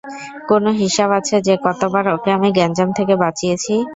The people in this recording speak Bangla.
কোনও হিসাব আছে যে কতবার ওকে আমি গ্যাঞ্জাম থেকে বাঁচিয়েছি?